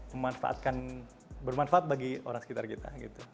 bermanfaatkan bermanfaat bagi orang sekitar kita gitu